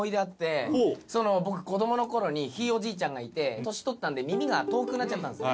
僕子供の頃にひいおじいちゃんがいて年取ったんで耳が遠くなっちゃったんですね。